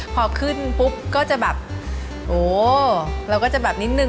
พอขึ้นปุ๊บก็จะแบบโอ้เราก็จะแบบนิดนึง